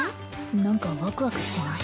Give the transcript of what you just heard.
何かワクワクしてない？